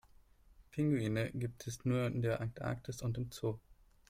Pinguine gibt es nur in der Antarktis und im Zoo.